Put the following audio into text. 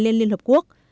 lên liên hợp quốc